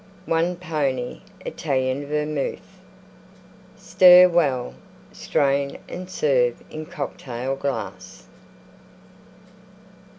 1 pony Italian Vermouth. Stir well; strain and serve in Cocktail glass.